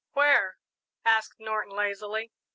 "Where?" asked Norton, lazily.